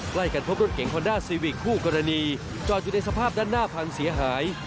ใกล้กันพบรถเก๋งคอนด้าซีวิกคู่กรณีจอดอยู่ในสภาพด้านหน้าพังเสียหาย